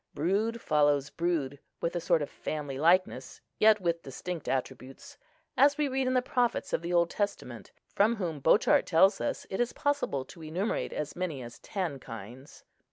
Brood follows brood, with a sort of family likeness, yet with distinct attributes, as we read in the prophets of the Old Testament, from whom Bochart tells us it is possible to enumerate as many as ten kinds.